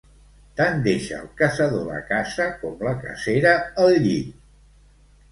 Tant deixa el caçador la caça com la cacera el llit.